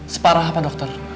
separah apa dokter